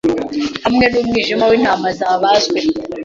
hamwe numwijima wintama zabazwe